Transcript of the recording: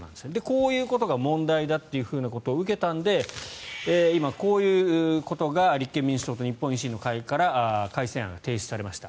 こういうことが問題だということを受けたので今、こういうことが立憲民主党と日本維新の会から改正案が提出されました。